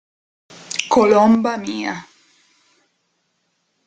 Colomba mia.